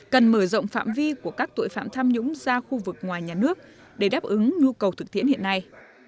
cần mở rộng phạm vi của các tội phạm tham nhũng ra khu vực ngoài nhà nước để đáp ứng nhu cầu thực tiễn hiện nay